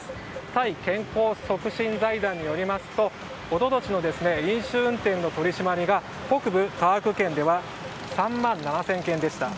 タイ健康促進財団によりますと一昨年の飲酒運転の取り締まりが北部ターク県では３万７０００件でした。